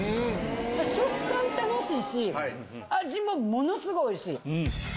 食感楽しいし、味もものすごいおいしい。